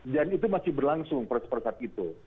dan itu masih berlangsung perusahaan itu